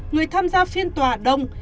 người tham gia phiên tòa đông